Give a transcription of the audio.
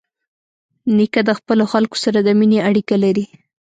نیکه د خپلو خلکو سره د مینې اړیکه لري.